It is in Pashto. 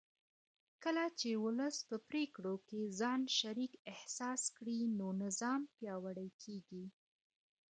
کله چې ولس په پرېکړو کې ځان شریک احساس کړي نو نظام پیاوړی کېږي